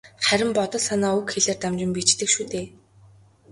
Харин бодол санаа үг хэлээр дамжин биеждэг шүү дээ.